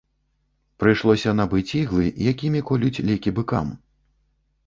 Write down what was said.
Прыйшлося набыць іглы, якімі колюць лекі быкам.